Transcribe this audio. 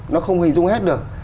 nó không hình dung hết được